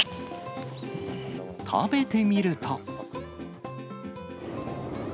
食べてみると。